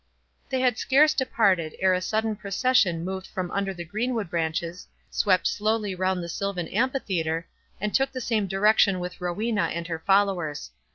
They had scarce departed, ere a sudden procession moved from under the greenwood branches, swept slowly round the silvan amphitheatre, and took the same direction with Rowena and her followers.